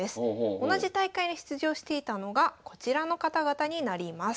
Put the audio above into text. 同じ大会に出場していたのがこちらの方々になります。